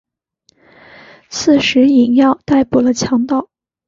刺史尹耀逮捕了强盗。